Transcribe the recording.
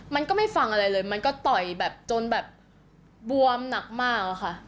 มันก็ไม่ฟังอะไรเลยมันก็ต่อยแบบจนแบบบวมหนักมากอะค่ะ